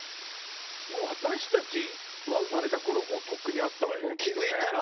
もう私たちは生まれた頃とっくにあったわよねきっとね。